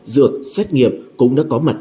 dược xét nghiệp cũng đã có mặt